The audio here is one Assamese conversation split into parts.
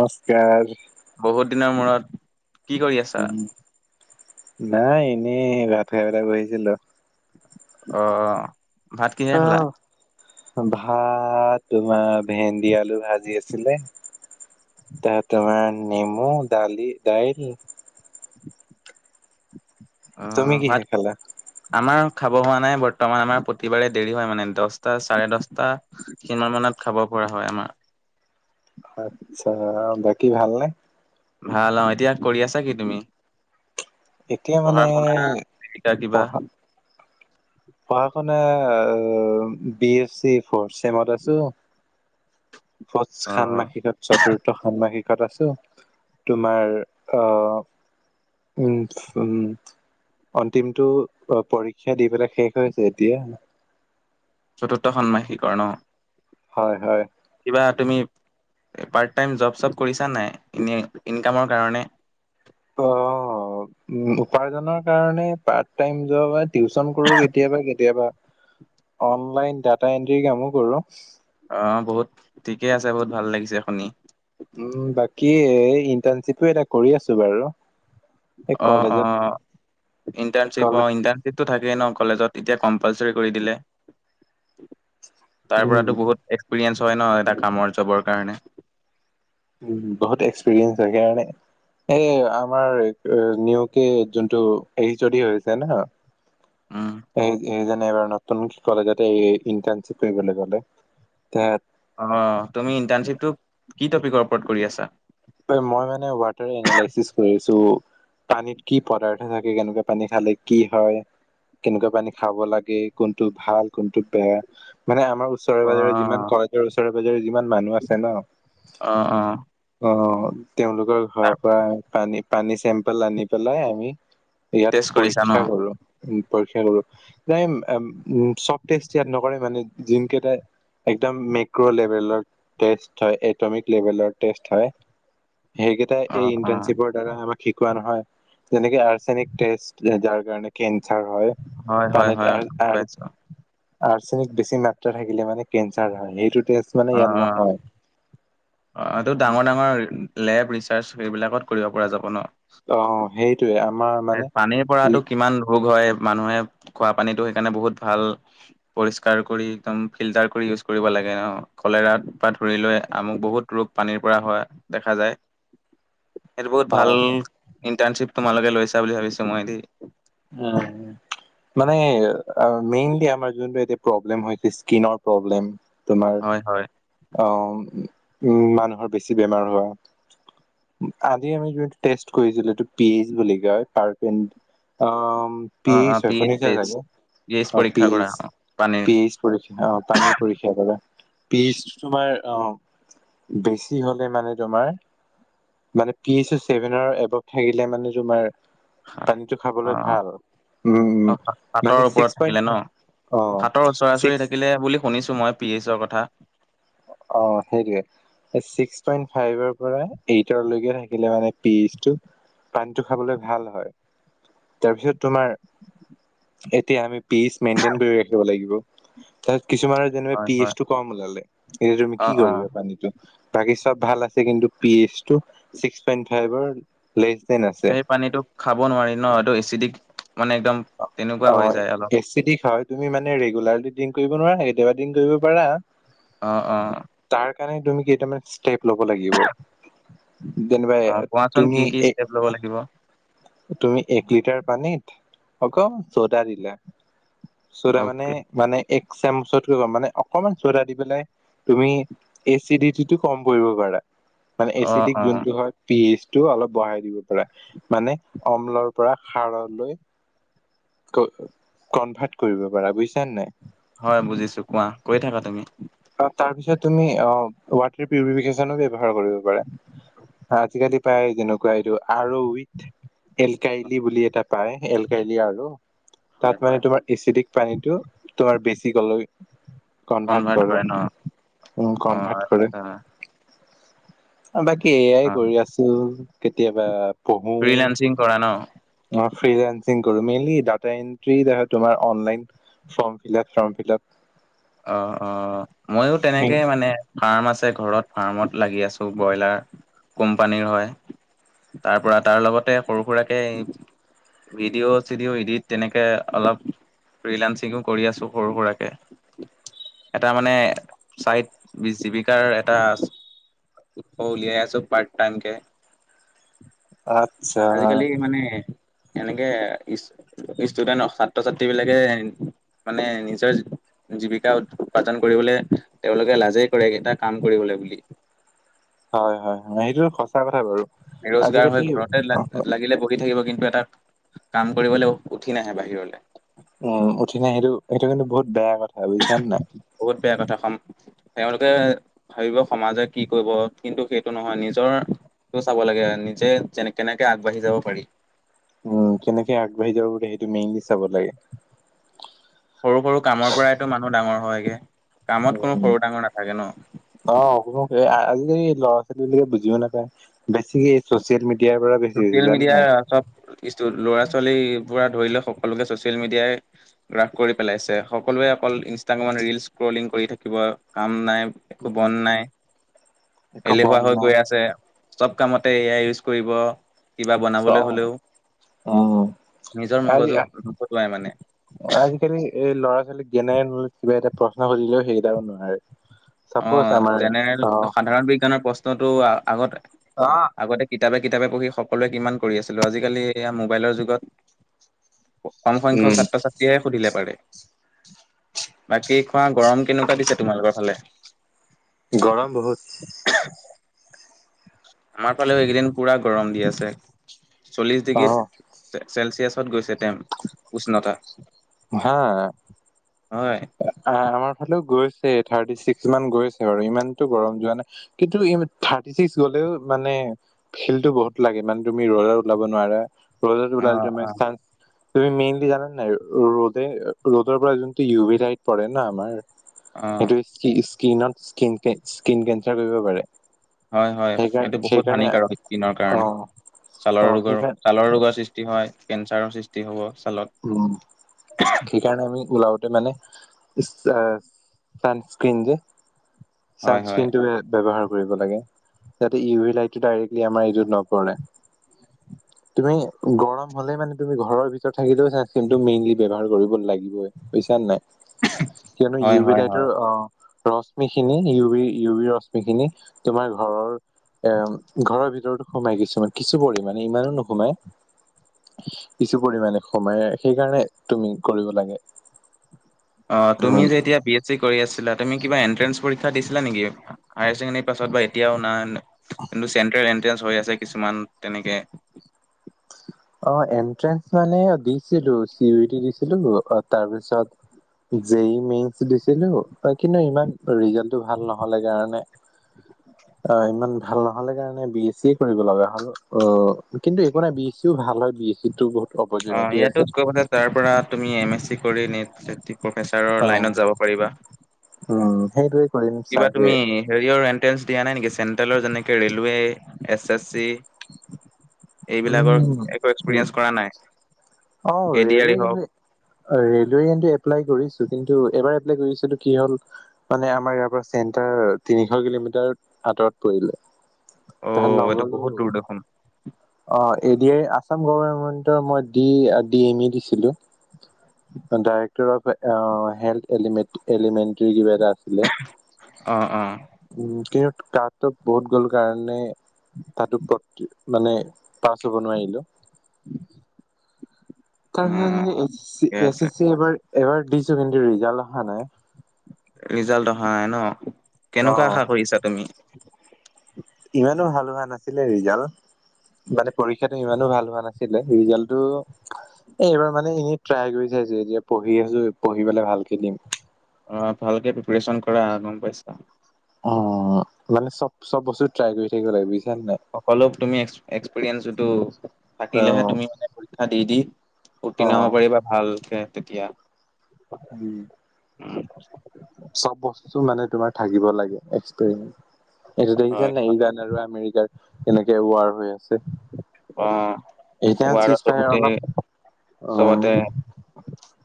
নমস্কাৰ। বহুত দিনৰ মূৰত কি কৰি আছা? উম, নাই এনেই ভাত খেটা বহিছিলো। অ' ভাত কিহে অ খালা। ভাত তোমাৰ ভেন্দি আলু ভাজি আছিলে। তাৰ তোমাৰ নেমু দালি দাইল। তুমি অ' কিহে ভাত খালা আমাৰ খাব হোৱা নাই বৰ্তমান আমাৰ প্ৰতিবাৰে দেৰি হয় মানে দহটা চাৰে দহটা সমান মানত খাব। কৰা হয় আমাৰ। আচ্ছা, বাকী ভাল নাই। ভাল অ' এতিয়া কৰি আছা কি তুমি? এতিয়া মানে পঢ়া-শুনা, কিবা পঢ়া-শুনা বি এছ চি ফৰ্থ চেমত আছো। ফথ, অ' ষান্মাসিকত চতুৰ্থ ষান্মাসিক তাত আছো, তোমাৰ আহ উম, উম। অন্তিমটো, পৰীক্ষা দি পেলাই শেষ হৈছে এতিয়া। চতুৰ্থ ষন্মাসিষকৰ ন? হয়, হয়। কিবা তুমি পাৰ্ট টাইম জব-চব কৰিছা নাই? এনে ইনকামৰ কাৰণে। অ, উ, উপাৰ্জনৰ কাৰণে পাৰ্ট টাইম জব টিউচন কৰো কেতিয়াবা, কেতিয়াবা অনলাইন ডাটা এন্ট্ৰি কামো কৰো। অ, বহুত ঠিকে আছে বহুত ভাল লাগিছে শুনি। উম, বাকী এই ইণ্টাৰ্ণশ্বিপো এটা কৰি আছো বাৰু। এই অ, অ, কলেজত ইণ্টাৰ্ণশ্বিপ, কলেজ ইণ্টাৰ্ণশ্বিপটো থাক যিয়ে নহওঁক কলেজত, এতিয়া কম্পালচাৰি কৰি দিলে, তাৰ উম পৰাটো বহুত এক্স পিৰিয়েঞ্চ হয় ন, এটা কামৰ জবৰ কাৰণে। উ, বহুত এক্সপিৰিয়েন্ঞ্চ হয়, সেই কাৰণে এ আমাৰ নিওকে, যোনটো এইচ অ ডি হৈছে ন উম এই এই নাই বাৰু, নতুন কলেজত এই ইণ্টাৰ্ণচিপ কৰিবলৈ গলে অ কত কৰি আছা? মই মানে ৱাটাৰ এনালাইচিস কৰি আছো। পানীত কি পদাৰ্থ থাকে, কেনেকুৱা পানী খালে কি হয় কেনেকুৱা পানী খাব লাগে, কোনটো ভাল, কোনটো বেয়া, মানে আমাৰ অ ওচৰে-পাজৰে যিমান কলেজৰ ওচৰৰে-পাজৰে যিমান মানুহ আছে ন অ অ অ, তেওঁলোকৰ তাৰ ঘৰৰ পৰা পানী, পানী চেম্পেল আনি পেলাই আমি ইয়াত টেষ্ট কৰিছা ন পৰীক্ষা কৰো। উ, পৰীক্ষা কৰো, চব টেষ্ট ইয়াত নকৰে মানে যোনকেইটাই একদম মেক্ৰ লেভেলৰ টেষ্ট হয়, এটমিক লেভেলৰ টেষ্ট হয়। সেইকেইটা অ এই অ ইণ্টাৰ্ণশ্বিপৰ দ্বাৰা আমাক শিক পোৱা নহয়, যেনেকে আৰ্ছেনিক টেষ্ট যাৰ কাৰণে কেন ছাৰ হয়, হয় হয় হয় পানীত গম পাইছো আৰ্চেনিক বেছি মাত্ৰা থাকিলে মানে কেঞ্চাৰ হয়, সেইটো টেষ্ট মানে অ, ইয়াত নহয়। অ, অ, এইটো ডাঙৰ-ডাঙৰ লেব ৰিচাৰ্চ এইবিলাকত কৰিব পৰা যাব ন? অ, সেই পানীৰ পৰাটো কিমান ভোগ হয় মানুহে খোৱা পানীটো সেইকাৰণে বহুত ভাল পৰিষ্কাৰ কৰি একদম ফিল্টাৰ কৰি ইউজ কৰিব লাগ লাগে ন, কলেৰা বা ধৰি লৈ আমুক বহুত ৰোগ পানীৰ পৰা হোৱা দেখা যায়। সেইটো বহুত ভাল হয় ইণ্টাৰ্ণশ্বিপ তোমালোকে লৈছা বুলি ভাবিছো মই দেই। অ, মেইনলি আমাৰ যোনটো এতিয়া প্ৰব্লেম হৈছে, স্কিনৰ প্ৰব্লেম হয়, হয়। আহ, উ, মানুহৰ বেছি বেমাৰ হোৱা। আজি আমি এটা টেষ্ট কৰিছিলোঁ, পি এছ বুলি কয়, তাৰপিন পি অ অ এইচ হয়, পি শুনিছা এইচ চাগে। এইচ অ, পি পৰীক্ষা কৰা এইচ, অ পানীৰ পি এইচ পৰীক্ষা, অ, পানী পৰীক্ষা কৰে, পি এইচ তোমাৰ অ, বেছি হলে মানে তোমাৰ মানে পি এইচৰ চছেভেনৰ এবভ থাকিলে মানে তোমাৰ পানীটো অ খাবলৈ ভাল, উম, উম, মানে ছিক্স পইন্ট ফাইফ হাতৰ ওচৰা ওচৰি থাকিলে বুলি শুনিছোঁ মই, পি এইছৰ কথা। অ', সেইটোৱে ছিক্স পইণ্ট ফাইভৰ পৰা এইটৰ লৈকে থাকিলে মানে পি এইচ টো পানীটো খাবলৈ ভাল হয় তাৰপিছত তোমাৰ এতিয়া আমি পি এইচ মেইনটেইন কৰি ৰাখিব লাগিব। তাৰিছত কিছুমানৰ যেনিবা হয় হয় পিএইচ টো কম ওলালে এতিয়া তুমি অ কি অ কৰিবা, পানীটো? বাকি চব ভাল আছে কিন্তু পি এইচ টো ছিক্স পইণ্ট ফাইভাৰ লেছ। দেন আছে সেই পানীটো খাব নোৱাৰি ন এইটো এচিডিক মানে একদম অ তেনেকুৱা হৈ যায় অলপ। এচিডিক হয় তুমি মানে ৰেগুলাৰলি ড্ৰিংক কৰিব নোৱাৰা কেতিয়াবা ড্ৰিং কৰিব পাৰা। অ', অ', সেইকাৰণে তুমি কেইটামান ষ্টেপ লব লাগিব যেনিবা অ কোৱাচোন কি তুমি কি এ ষ্টেপ ল'ব লাগিব তুমি এক লিটাৰ পানীত অ'ক ছ'ডা দিলা- ছ'ডা মানে অকে মানে এক- চামুচতকৈ কম মানে অকমান ছ'ডা দি পেলাই তুমি এচিডিটিটো কম পৰিব পাৰা। মানে অ এচিডিক অ যোনটো হয় পি এইচ টো অলপ বঢ়াই দিব পাৰা, মানে অমলৰ পৰা সাৰলৈ কনভাৰ্ট কৰিব পাৰা বুজিছা নাই? হয় বুজিছোঁ কোৱা কৈ থাকা তুমি তাৰ পিছত তুমি অ', [unintelligible] পিউৰিফিকেশ্যনো ব্যৱহাৰ কৰিব পাৰা। আজিকালি প্ৰায় যেনেকুৱা এইটো আৰু উইথ এল কাইলি বুলি এটা পাৰে এল কাইলি আৰু হয় তাত হয় মানে তোমাৰ এচিডিক পানীটো তোমাৰ বেছি গল কনভাৰ্ট কৰো কৰে ন উম, অ কনভাৰ্ট কৰে। আচ্ছা বাকী এয়াই অ কৰি আছোঁ কেতিয়াবা ফ্ৰিলানসিং কৰা ন? অ', ফ্ৰিলান্সিং কৰোঁ, মেইনলি ডাটা এণ্ট্ৰি থাকে তোমাৰ online form fill up form fill up অ', অ', ময়ো তেনেকে মানে ফাৰ্ম আছে ঘৰত ফাৰ্মত লাগি আছোঁ ব্ৰইলাৰ কোম্পানীৰ হয় তাৰ পৰা তাৰ লগতে সৰু সুৰাকে ভিডিঅ' চিডিঅ ইডিট তেনেকে অলপ ফ্ৰিলান্সিং ও কৰি আছোঁ সৰু সুৰাৰাকে। এটা মানে চাৰি বিশ জীৱিকাৰ এটাৰ হ, উলিয়াই আছোঁ পাৰ্ট টাইম কে আচ্ছা আজিকালি মানে এনেকে ষ্টুডেন্ট ছাত্ৰ ছাত্ৰী বিলাকে মানে নিজৰ জীৱিকা উৎপাজন কৰিবলৈ তেওঁলোকে লাজেই কৰে এটা কাম কৰিবলৈ বুলি। হয় হয় হয় সেইটো সঁচা কথা বাৰু। বেৰজগাৰ হৈ ঘৰতে আজিকালি লাগিলে বগি থাকিব কিন্তু এটা কাম কৰিবলৈ উঠি নাহে বাহিৰলৈ উম, উঠি নাহিলেওঁ সেইটো কিন্তু বহুত বেয়া কথা বুজিছানে নাই বহুত বেয়া কথা হম তেওঁলোকে ভাবিব সমাজে কি কৰিব কিন্তু সেইটো নহয় নিজৰ টো চাব লাগে নিজে যেনে কেনেকে আগবাঢ়ি যাব পাৰি। উম, কেনেকে আগবাঢ়ি যাব পাৰি সেইটো মেইনলি চাব লাগে। সৰু সৰু কামৰ পৰাইতো মানুহ ডাঙৰ হয়গে কামত কোনো উম, সৰু ডাঙৰ নাথাকে ন অ, [unintelligible] আজি ল'ৰা ছোৱালীে বুজিও নাপায় বেছি ছ'চিয়েল মিডিয়া মিডিয়াৰ পৰা ছ'চিয়েল মিডিয়াৰ চব [unintelligible] ল'ৰা ছোৱালী পুৰা ধৰিলৈ সকলোকে ছ'চিয়েল মিডিয়াই ৰাস কৰি পেলাইছে, সকলোৱে অকল ইনষ্টাগ্ৰামত ৰীলছ স্ক্ৰল কলিং কৰি থাকিব কাম নাই। একো উম বন নাই, একো এলেহুৱা বন হৈ নাই গৈ আছে। চব কামতে এ আই ইউজ কৰিব। কিবা বনাবলৈ হ'লেও। অ' নিজৰ আজি মগজু নখটোৱাই মানে আজিকালি এই ল'ৰা ছোৱালী বেলাগ কিবা এটা প্ৰশ্ন সুধিলেও সেইকেইটাও নোৱাৰে। অ, চাপ'জ আমাৰ জেনেৰেল অ সাধাৰণ বিজ্ঞানৰ প্ৰশ্নতটো আগতে অ' কিতাপে কিতাপে পঢ়ি সকলোৱে কিমান কৰি আছিলো আজিকালি মোবাইলৰ যুগত। কম সংখ্যক উম ছাত্ৰ ছাত্ৰীয়ে সুধিলে পাৰে। বাকী কোৱা গৰম কেনেকুৱা দিছে তোমালোকৰ ফালে? গৰম বহুত আমাৰ ফালেও এইকেইদিন পুৰা গৰম দি আছে। চল্লিশ অ ডিগ্ৰীত চেলচিয়াছ ত গৈছে তেওঁ উষ্ণতা হয়। হয় আমাৰ ফালেও গৈছে। থাৰ্টি ছিক্স মান গৈ আছে বাৰু ইমানটো গৰম যোৱা নাই কিন্তু ই থাৰ্টি ছিক্স গলেও মানে ফিলটো বহুত লাগে মানে তুমি ৰ'দত ওলাব নোৱাৰা ৰ'জত অ ওলালে অ তুমাৰ চা তুমি মেইনলি জানা নাই ৰ'দে ৰ'দৰ পৰা যোনটো ইউ ভাইট পৰে ন আমাৰ অ সেইটো স্কিনত স্কিন কেঞ্চাৰ কৰিব পাৰে। হয় হয়, সেইকাৰণে এইটো বহুত সেইকাৰণে হানিকাৰক স্কিনৰ অ কাৰণে। ছালৰ অ ৰোগৰ সেইকাৰণে ছালৰ ৰোগৰ সৃষ্টি হয়, কেঞ্চাৰৰ সৃষ্টি হ'ব। ছালত উম, সেইকাৰণে আমি ওলাওতে মানে চানস্ক্ৰিন যে হয় হয় চানস্ক্ৰিন ব্যৱহাৰ কৰিব লাগে যাতে ইউ ভেলাইটি ডাইৰেক্লি আমাৰ নপৰে। [inaudible] তুমি গৰম হ'লে মানে তুমি ঘৰৰ ভিতৰত থাকিলেও চান্সক্ৰিমটো মেইনলি ব্যৱহাৰ কৰিব লাগিবই বুইচানে নাই। কিয়নো হয় ইউ বি হয় হয় লাইটৰ অ' ৰশ্মি খিনি ইউৰি ইউৰি ৰশ্মি খিনি তোমাৰ ঘৰৰ অ, ঘৰৰ ভিতৰতো সোমাই কিছুমান কিছু পৰিমামানে ইমানো নোসোমায়। কিছু পৰিমানে সোমায় সেইকাৰণে তুমি কৰিব লাগে। অ, তুমি উম যে এতিয়া বি এছ চি কৰি আছিলা তুমি কিবা এন্ট্ৰেনচ পৰীক্ষা দিছিলা নেকি হাইচেকেন্দেৰি পাছত বা এতিয়াও না কিন্তু চেন্ট্ৰেল এনট্ৰেঞ্চ হৈ আছে কিছুমান তেনেকে অ, এনট্ৰেন্স মানে দিছিলো চি ইউটি দিছিলো অ' তাৰপিছত জেই ই মেইনচ দিছিলো কিন্তু ইমান ৰিজাল্টটো ভাল নহলে কাৰণে [inaudible] অ, ইমান ভাল নহ'লে কাৰণে বি এছ চি কৰিব লগা হ'ল অ কিন্তু একো নাই বি এ চিও ভাল হয় বি এচ চিটো বহুত অ' অপৰচুনিটি ইয়াতো আছে কৰি পেলাই তাৰ পৰা তুমি এম এছ চি কৰি নেট অ প্ৰফেচাৰৰ লাইনত যাব পাৰিবা। উম, সেইটোৱে। কৰিম কিবা চাগে তুমি হেৰিয়ৰ এণ্ট্ৰেন্স দিয়া নাই নেকি? চেন্ট্ৰেলৰ যেনেকে ৰেলৱে, এছ এছ চি। এইবিলাকৰ উম একো উম এক্সপিৰিয়েঞ্চ কৰা নাই। অ, এ ডি আৰ ৰেলৱে ই হওক কিন্তু ৰেলৱে কিন্তু এপ্লাই কৰিছো। কিন্তু এবাৰ এপ্লাই কৰিছিলো কি হ'ল মানে আমাৰ ইয়াৰ পৰা চেণ্টাৰ তিনিশ কিলোমিটাৰ আতৰত পৰিলে, অ তাহত এইটো নগলো। বহুত দূৰ দেখোন অ, এডি আৰ ই আছাম গভৰমেন্টৰ মই ডি ডি এম ই দিছিলো। ডাইৰেক্টৰ অফ হেল এলিমেন্টৰ কিবা এটা আ অহ - অহ। উম, কিন্তু কাতো বহুত গ'ল কাৰণে তাতো মানে পাছ হ'ব নোৱাৰিলো। [inaudible] তাৰ অ', ঠিকে পিছত এ - আছে এছিব এবাৰ দিছো কিন্তু ৰিজাল অহা নাই। ৰিজাল্ট অহা নাই ন অ কেনেকুৱা আশা কৰিছা তুমি? ইমানো ভাল হোৱা নাছিলে ৰিজাল্ট। মানে পৰীক্ষাতটো ইমানো ভাল হোৱা নাছিলে ৰিজাল্টটো। এইবাৰ মানে এনেই ট্ৰাই কৰি চাইছো, এতিয়া পঢ়ি আছো পঢ়ি পেলাই ভালকে দিম। ভালকে প্ৰিপেচন কৰা গম পাইছা। অ, মানে চব চব বস্তু ট্ৰাই কৰি থাকিব লাগে নে নাই? সকলো তুমি এক্সপিৰিয়েঞ্চটো অ থাকিলেহে তুমি, মানে পৰীক্ষা দি- দি অ উৰ্ত্তীণ হ'ব পাৰি ভালকে তেতিয়া উম, [unintelligible] চব বস্তু মানে তোমাৰ থাকিব লাগে এক্সপিৰেঞ্চ। এইটো হয়, দেখিছানে নাই হয়। ইৰাণ আৰু আমেৰিকাৰ কেনেকে ৱাৰ হৈ আছে। অ, এতিয়া চিজ ৱাৰটো ফায়াৰ গোটেই অলপ উম চবতে।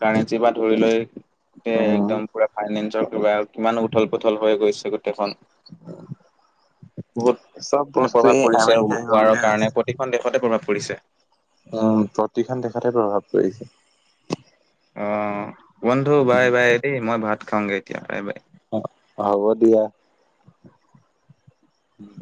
কাৰেঞ্চি বা ধৰি লৈ তে উম একদম পুৰা ফাইনেন্সৰ। কা আৰু কিমানো উথল-পুথল হৈ গৈছে গোটেইখন। [inaudible] বহুত চব মানে বস্তু প্ৰভাৱ এই পৰিছে আমেৰিকাই ৱাৰৰ কৰোতে কাৰণে, প্ৰতিখন দেশতে প্ৰভাৱ পৰিছে। অ, প্ৰতিখন দেশতহে প্ৰভাৱ পৰিছে। অ, বন্ধু বাই-বাই দেই মই ভাত খাওগে এতিয়া বাই - বাই। অ, হ'ব দিয়া। উম,